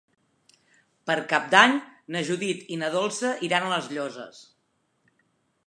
Per Cap d'Any na Judit i na Dolça iran a les Llosses.